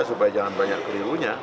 supaya jangan banyak kerirunya